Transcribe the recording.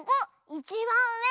いちばんうえ。